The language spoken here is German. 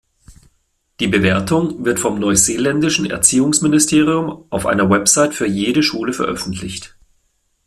Die Bewertung wird vom neuseeländischen Erziehungsministerium auf einer Website für jede Schule veröffentlicht.